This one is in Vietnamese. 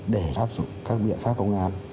để áp dụng các biện pháp công an